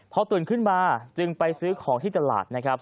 พอตื่นขึ้นมาจึงไปซื้อของที่ตลาดนะครับ